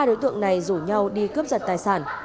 hai đối tượng này rủ nhau đi cướp giật tài sản